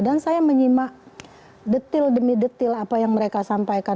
dan saya menyimak detil demi detil apa yang mereka sampaikan